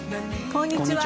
こんにちは。